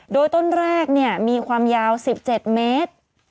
โดยต้นแรกมีความยาว๑๗เมตร